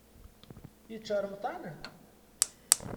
Yečča ṛemṭan?